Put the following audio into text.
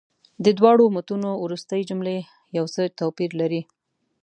د دواړو متونو وروستۍ جملې یو څه توپیر لري.